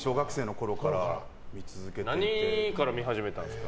何から見始めたんですか？